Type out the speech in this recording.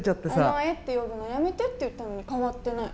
お前って呼ぶのやめてって言ったのに変わってない。